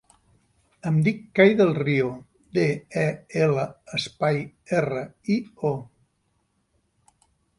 Em dic Kai Del Rio: de, e, ela, espai, erra, i, o.